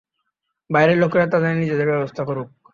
বাইরের লোকেরা তাদের নিজেদের ব্যবস্থা করুক।